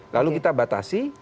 lalu kita batasi